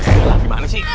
di mana sih